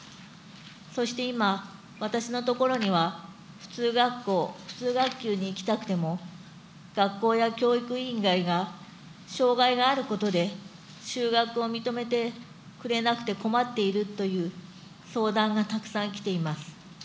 そして今、私のところには普通学校、普通学級に行きたくても、学校や教育委員会が障害があることで、就学を認めてくれなくて困っているという相談がたくさん来ています。